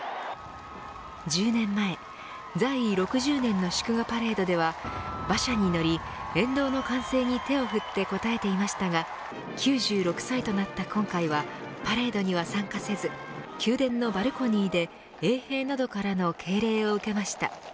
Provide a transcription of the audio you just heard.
１０年前、在位６０年の祝賀パレードでは馬車に乗り沿道の歓声に手を振って応えていましたが９６歳となった今回はパレードには参加せず宮殿のバルコニーで衛兵などからの敬礼を受けました。